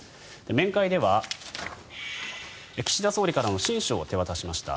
面会では岸田総理からの親書を手渡しました。